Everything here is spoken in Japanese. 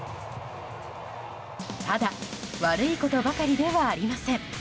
ただ、悪いことばかりではありません。